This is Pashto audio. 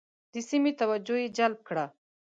د سیمې توجه یې جلب کړه.